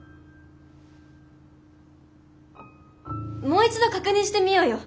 もう一度確認してみようよ。